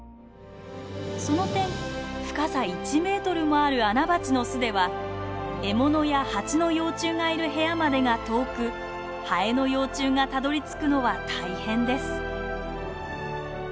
その点深さ１メートルもあるアナバチの巣では獲物やハチの幼虫がいる部屋までが遠くハエの幼虫がたどりつくのは大変です。